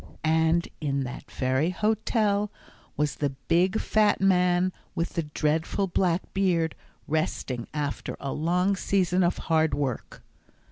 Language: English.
And in that very hotel was the big fat man with the dreadful black beard, resting after a long season of hard work.